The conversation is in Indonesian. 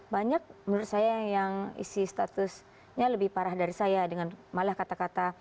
banyak menurut saya yang isi statusnya lebih parah dari saya dengan malah kata kata